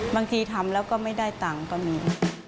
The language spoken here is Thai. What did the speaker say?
บางทีทำแล้วก็ไม่ได้ตังค์ก็มี